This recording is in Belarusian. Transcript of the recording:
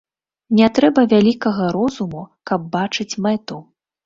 Не трэба вялікага розуму, каб бачыць мэту.